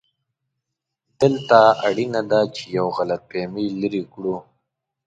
دلته اړینه ده چې یو غلط فهمي لرې کړو.